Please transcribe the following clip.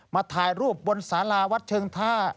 ถ่ายรูปบนสาราวัดเชิงท่า